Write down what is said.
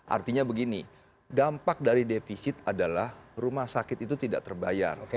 artinya begini dampak dari defisit adalah rumah sakit itu tidak terbayar